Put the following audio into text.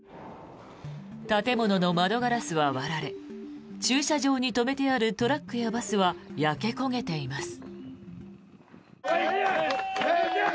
建物の窓ガラスは割られ駐車場に止めてあるトラックやバスは焼け焦げています。